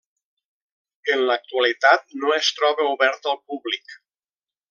En l'actualitat no es troba obert al públic.